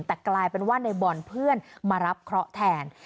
แต่กลายเป็นว่าในบอลเพื่อนมารับเคราะห์แทน